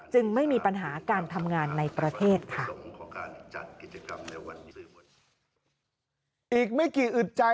ไม่มีปัญหาการทำงานในประเทศค่ะ